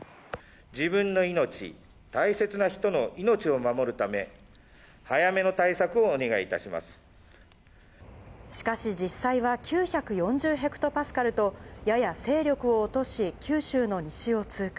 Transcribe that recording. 自分の命、大切な人の命を守るため、しかし実際は９４０ヘクトパスカルと、やや勢力を落とし、九州の西を通過。